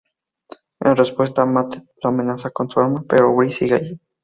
En respuesta, Matthew le amenaza con un arma, pero Bree sigue ahí.